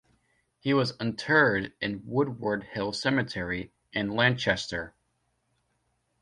He was interred in Woodward Hill Cemetery in Lancaster.